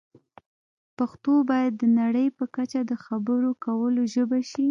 پښتو باید د نړۍ په کچه د خبرو کولو ژبه شي.